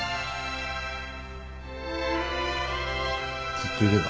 ずっといれば？